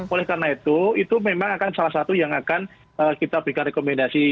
oleh karena itu itu memang akan salah satu yang akan kita berikan rekomendasi